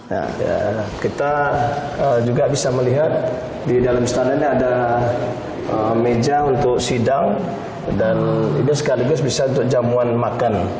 ya kita juga bisa melihat di dalam istana ini ada meja untuk sidang dan ini sekaligus bisa untuk jamuan makan